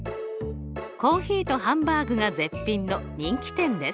コーヒーとハンバーグが絶品の人気店です。